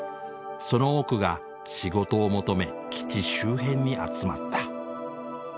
その多くが仕事を求め基地周辺に集まった。